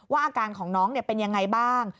อาการของน้องเป็นยังไงบ้าง